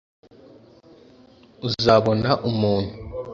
uzabona umuntu